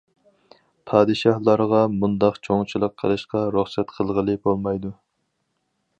پادىشاھلارغا مۇنداق چوڭچىلىق قىلىشقا رۇخسەت قىلغىلى بولمايدۇ.